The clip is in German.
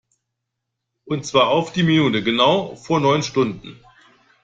Und zwar auf die Minute genau vor neun Stunden.